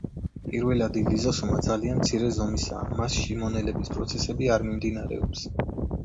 პირველადი ლიზოსომა ძალიან მცირე ზომისაა მასში მონელების პროცესები არ მიმდინარეობს.